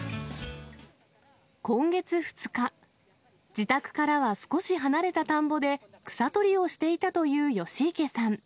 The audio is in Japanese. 今月２日、自宅からは少し離れた田んぼで、草取りをしていたという吉池さん。